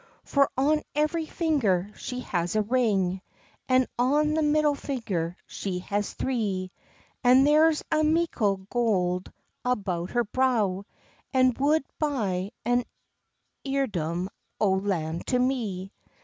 "For on every finger she has a ring, An on the mid finger she has three, An there's as meikle goud aboon her brow As woud buy an earldom o lan to me."